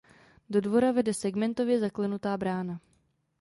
Do dvora vede segmentově zaklenutá brána.